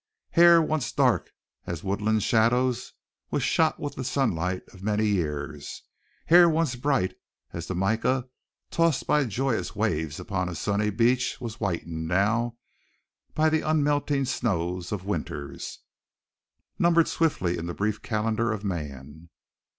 Hair once dark as woodland shadows was shot with the sunlight of many years; hair once bright as the mica tossed by joyous waves upon a sunny beach was whitened now by the unmelting snows of winters numbered swiftly in the brief calendar of man.